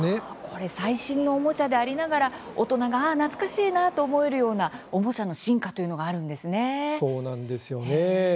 これ、最新のおもちゃでありながら大人がああ、懐かしいなと思えるようなおもちゃの進化というのがそうなんですよね。